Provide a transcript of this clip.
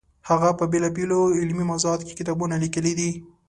هغه په بېلابېلو علمي موضوعاتو کې کتابونه لیکلي دي.